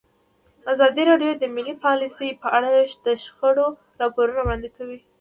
ازادي راډیو د مالي پالیسي په اړه د شخړو راپورونه وړاندې کړي.